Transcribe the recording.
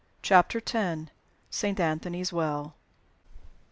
CHAPTER X. SAINT ANTHONY'S WELL.